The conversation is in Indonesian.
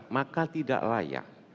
saya tidak layak